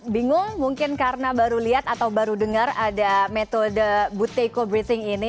bingung mungkin karena baru lihat atau baru dengar ada metode buteco briefing ini